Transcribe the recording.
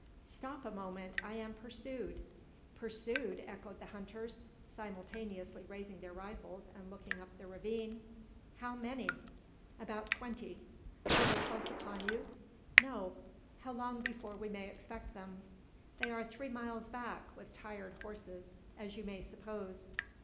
"Stop a moment! I am pursued." "Pursued!" echoed the hunters, simultaneously raising their rifles, and looking up the ravine. "How many?" "About twenty." "Are they close upon you?" "No." "How long before we may expect them?" "They are three miles back, with tired horses, as you may suppose."